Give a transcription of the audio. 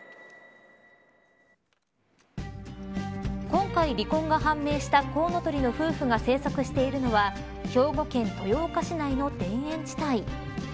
今回離婚が判明したコウノトリの夫婦が生息しているのは兵庫県豊岡市内の田園地帯。